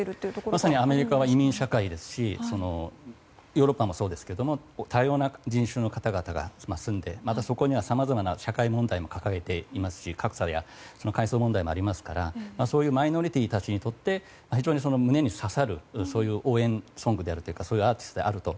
まさにアメリカは移民社会ですしヨーロッパもそうですが多様な人種の方々が住んでそこにはさまざまな社会問題を抱えていますし格差や階層問題もありますからそういうマイノリティーたちにとって非常に胸に刺さるそういう応援ソングでありそういうアーティストであると。